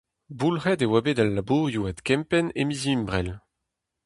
Boulc'het e oa bet al labourioù adkempenn e miz Ebrel.